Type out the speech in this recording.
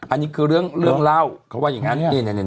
อันนี้คือเรื่องเล่าเขาว่าอย่างนั้น